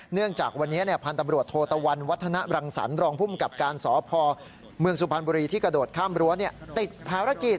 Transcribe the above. เนื่องจากวันนี้พันธุ์ตำรวจโทตะวันวัฒนรังสรรครองภูมิกับการสพเมืองสุพรรณบุรีที่กระโดดข้ามรั้วติดภารกิจ